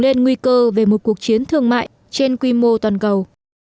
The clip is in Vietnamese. lên nguy cơ về một cuộc chiến thương mại trên quy mô toàn cầu